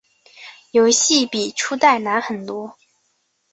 游戏比初代难很多。